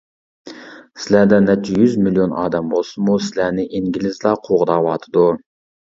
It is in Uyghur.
سىلەردە نەچچە يۈز مىليون ئادەم بولسىمۇ، سىلەرنى ئىنگلىزلار قوغداۋاتىدۇ.